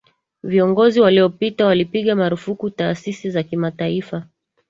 viongozi waliopita walipiga marufuku taasisi za kimataifa